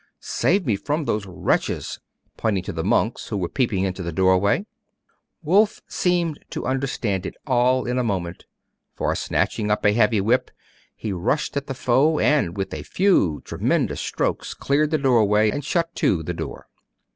'Save me from those wretches!' pointing to the monks, who were peeping into the doorway. Wulf seemed to understand it all in a moment; for, snatching up a heavy whip, he rushed at the foe, and with a few tremendous strokes cleared the doorway, and shut to the door.